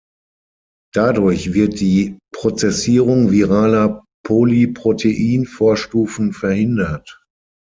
Dadurch wird die Prozessierung viraler Polyprotein-Vorstufen verhindert.